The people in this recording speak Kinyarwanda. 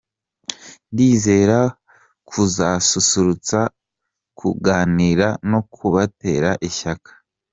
Ndizera kuzasusurutsa, kuganira no kubatera ishyaka!”.